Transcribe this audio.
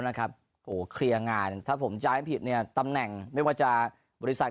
นะครับโอ้เคลียร์งานถ้าผมจะให้ผิดเนี่ยตำแหน่งไม่ว่าจะบริษัท